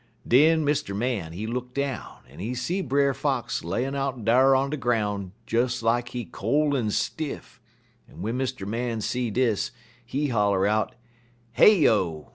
Den Mr. Man, he look down, en he see Brer Fox layin' out dar on de groun' des like he cole en stiff, en w'en Mr. Man see dis, he holler out: "'Heyo!